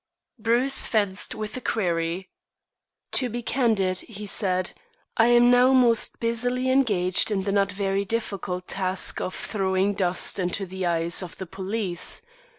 Bruce fenced with the query. "To be candid," he said, "I am now most busily engaged in the not very difficult task of throwing dust in the eyes of the police.